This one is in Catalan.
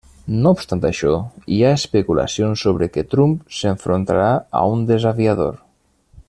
No obstant això, hi ha especulacions sobre que Trump s'enfrontarà a un desafiador.